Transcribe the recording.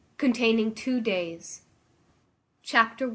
CONTAINING TWO DAYS. Chapter i.